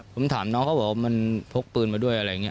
ผมถามน้องเขาบอกว่ามันพกปืนมาด้วยอะไรอย่างนี้